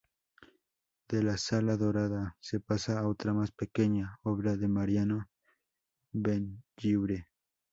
De la sala dorada se pasa a otra más pequeña obra de Mariano Benlliure.